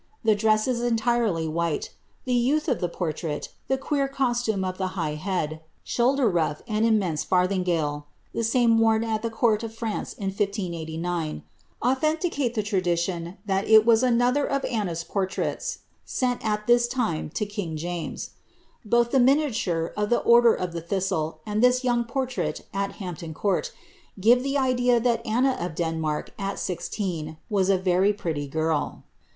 The dress is entirely white ; the y^nth of the portrait, the queer costume of the high head. shonlder nin and immense farthingale, (the same worn at the court of France in 1589,) authenticate the tradition that it was another of Annans portraits aent at this time to king James. Both the miniature of the Order of the Thistle, and this young portrait at Hampton Court, give the idea that Anna of Denmark, at sixteen, was a very pretty girl.